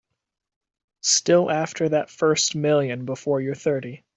Still after that first million before you're thirty.